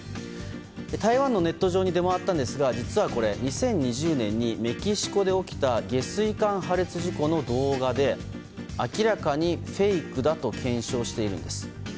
台湾のネット上に出回ったんですが実はこれ、２０２０年にメキシコで起きた下水管破裂事故の動画で明らかに、フェイクだと検証しているんです。